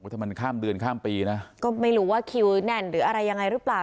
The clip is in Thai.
ถ้ามันข้ามเดือนข้ามปีนะก็ไม่รู้ว่าคิวแน่นหรืออะไรยังไงหรือเปล่า